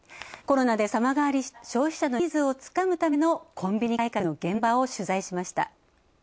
コロナで様変わりした消費者のニーズをつかむためのコンビニ改革の現場を取材しました。